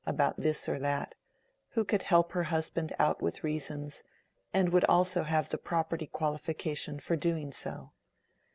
about this or that; who could help her husband out with reasons, and would also have the property qualification for doing so.